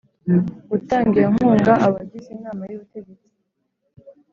gutanga iyo nkunga abagize Inama y Ubutegetsi